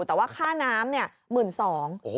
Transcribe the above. แต่ว่าค่าน้ำเนี่ยหมื่นสอง